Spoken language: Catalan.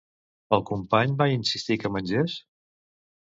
El company va insistir que mengés?